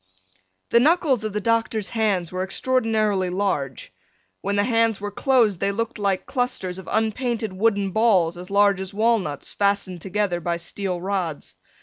The knuckles of the doctor's hands were extraordinarily large. When the hands were closed they looked like clusters of unpainted wooden balls as large as walnuts fastened together by steel rods.